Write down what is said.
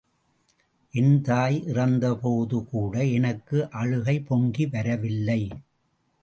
என் தாய் இறந்தபோது கூட எனக்கு அழுகை பொங்கி வரவில்லை.